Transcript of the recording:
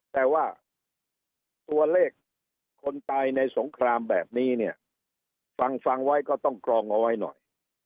แต่ว่าตัวเลขคนตายในสงครามแบบนี้เนี่ยฟังฟังไว้ก็ต้องกรองเอาไว้หน่อย